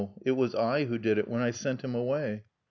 It was I who did it when I sent him away.